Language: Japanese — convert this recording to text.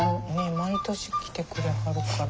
毎年来てくれはるから。